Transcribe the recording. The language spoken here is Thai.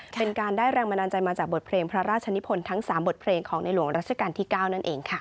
เป็นการได้แรงบันดาลใจมาจากบทเพลงพระราชนิพลทั้ง๓บทเพลงของในหลวงรัชกาลที่๙นั่นเองค่ะ